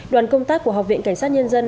đoàn công tác của học viện cảnh sát nhân dân